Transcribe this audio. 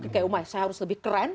saya harus lebih keren